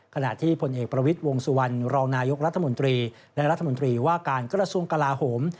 ขณะที่ผลเอกประวิทย์วงสุวรรณรองนายกรัฐมนตรีและรัฐมนตรีว่าการกระทรวงกลาโหม